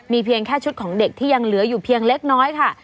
เพียงแค่ชุดของเด็กที่ยังเหลืออยู่เพียงเล็กน้อยค่ะ